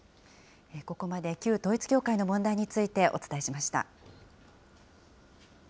ここまで旧統一教会の問題についてお伝えしました。